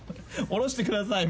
降ろしてください